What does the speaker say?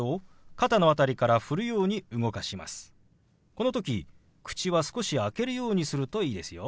この時口は少し開けるようにするといいですよ。